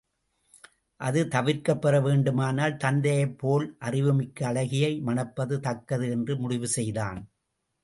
அது தவிர்க்கப்பெற வேண்டுமானால் தத்தையைப் போல் அறிவுமிக்க அழகியை மணப்பது தக்கது என்று முடிவு செய்தான்.